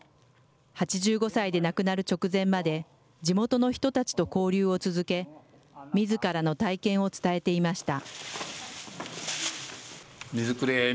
８５歳で亡くなる直前まで、地元の人たちと交流を続け、みずからの体験を伝えていました。